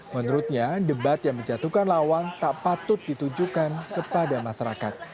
menurutnya debat yang menjatuhkan lawan tak patut ditujukan kepada masyarakat